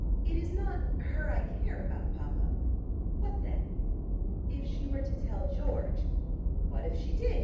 "It is not her I care about, papa." "What then?" "If she were to tell George." "What if she did?